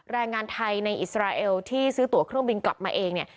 แรงงานไทยในอิสราเอลที่ซื้อตัวเครื่องบินกลับมาเองเนี่ย